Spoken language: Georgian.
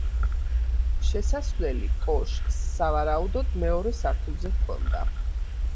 შესასვლელი კოშკს, სავარაუდოდ, მეორე სართულზე ჰქონდა.